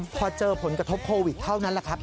พอเจอผลกระทบโควิดเท่านั้นแหละครับ